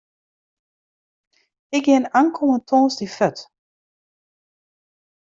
Ik gean ankom tongersdei fuort.